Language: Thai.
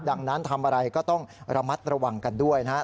ดังนั้นทำอะไรก็ต้องระมัดระวังกันด้วยนะครับ